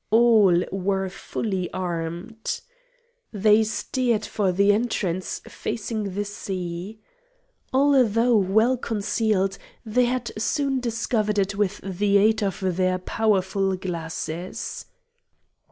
All were fully armed. They steered for the entrance facing the sea. Although well concealed, they had soon discovered it with the aid of their powerful glasses.